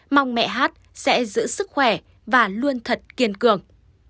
mong mẹ hát sẽ giữ sức khỏe và luôn thật kiên cường